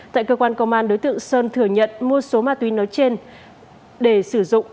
tại cơ quan công an đối tượng sơn thừa nhận mua số ma túy nói trên để sử dụng